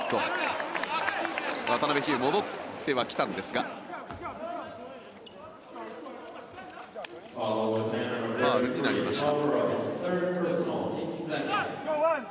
渡邉飛勇戻ってはきたんですがファウルになりました。